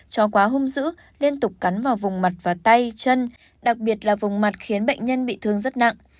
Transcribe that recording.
chó quá hung dữ liên tục cắn vào vùng mặt và tay chân đặc biệt là vùng mặt khiến bệnh nhân bị thương rất nặng